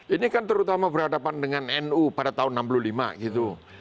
ini kan terutama berhadapan dengan nu pada tahun enam puluh lima gitu